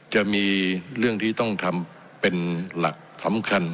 จะมีเรื่องที่ต้องทำเป็นหลักสำคัญ